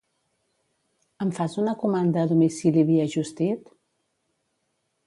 Em fas una comanda a domicili via Just Eat?